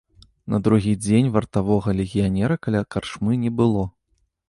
На другі дзень вартавога легіянера каля карчмы не было.